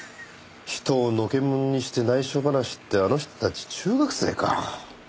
人をのけ者にして内緒話ってあの人たち中学生か！